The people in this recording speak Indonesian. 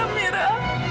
kamu bisa jadi serba